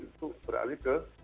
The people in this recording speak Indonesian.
itu beralih ke